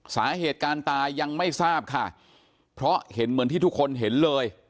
สาเหตุการตายยังไม่ทราบค่ะเพราะเห็นเหมือนที่ทุกคนเห็นเลย